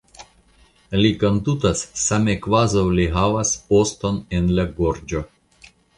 Li kondutas same kvazaŭ li havas oston en la gorĝo.